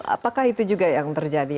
apakah itu juga yang terjadi